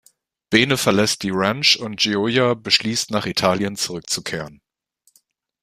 Bene verlässt die Ranch und Gioia beschließt nach Italien zurückzukehren.